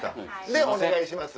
でお願いします。